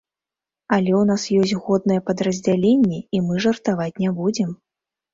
Але ў нас ёсць годныя падраздзяленні, і мы жартаваць не будзем.